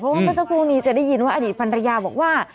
เพราะว่าเมื่อสักครู่นี้จะได้ยินว่าอดีตภรรยาบอกว่า